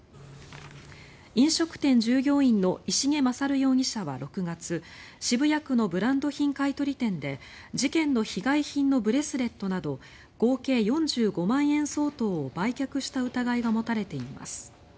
飲食店従業員の石毛大容疑者は６月渋谷区のブランド品買い取り店で事件の被害品のブレスレットなど合計４５万円相当を売却した疑いが持たれています。